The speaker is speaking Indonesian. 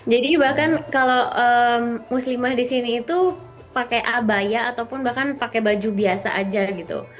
jadi bahkan kalau muslimah di sini itu pakai abaya ataupun bahkan pakai baju biasa aja gitu